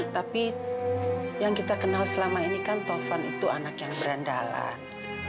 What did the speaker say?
tapi yang kita kenal selama ini kan tovan itu anak yang berandalan